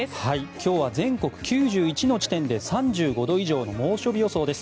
今日は全国９１の地点で３５度以上の猛暑日予想です。